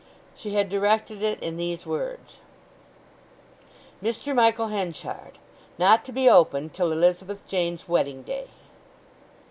She had directed it in these words:— "_Mr. Michael Henchard. Not to be opened till Elizabeth Jane's wedding day.